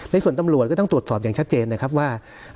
ในส่วนตำรวจก็ต้องตรวจสอบอย่างชัดเจนนะครับว่า